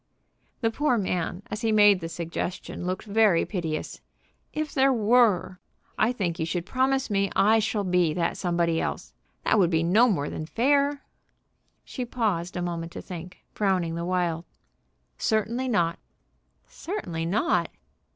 The poor man, as he made the suggestion, looked very piteous. "If there were, I think you should promise me I shall be that somebody else. That would be no more than fair." She paused a moment to think, frowning the while. "Certainly not." "Certainly not?"